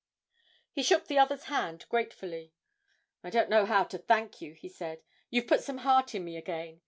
He shook the other's hand gratefully. 'I don't know how to thank you,' he said, 'you've put some heart in me again.